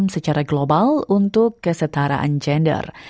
secara global untuk kesetaraan gender